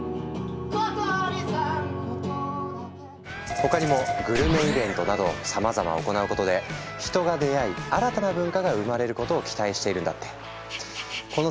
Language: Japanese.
他にもグルメイベントなどさまざま行うことで人が出会い新たな文化が生まれることを期待しているんだって。